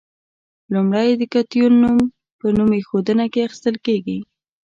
لومړی د کتیون نوم په نوم ایښودنه کې اخیستل کیږي.